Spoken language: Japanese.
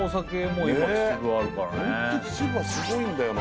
うまいんだよな。